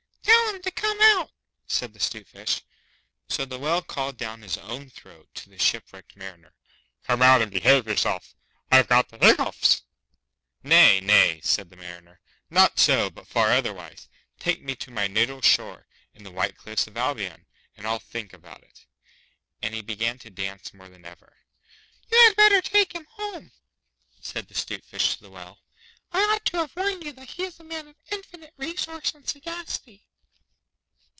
'Tell him to come out,' said the 'Stute Fish. So the Whale called down his own throat to the shipwrecked Mariner, 'Come out and behave yourself. I've got the hiccoughs.' 'Nay, nay!' said the Mariner. 'Not so, but far otherwise. Take me to my natal shore and the white cliffs of Albion, and I'll think about it.' And he began to dance more than ever. 'You had better take him home,' said the 'Stute Fish to the Whale. 'I ought to have warned you that he is a man of infinite resource and sagacity.